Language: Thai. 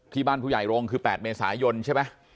ที่บ้านผู้ใหญ่โรงคือ๘เมยใช่ป่ะ